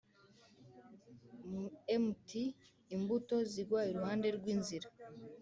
Mt imbuto zigwa iruhande rw inzira